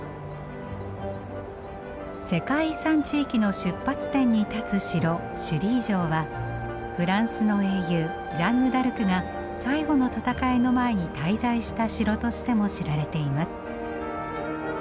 世界遺産地域の出発点に立つ城シュリー城はフランスの英雄ジャンヌ・ダルクが最後の戦いの前に滞在した城としても知られています。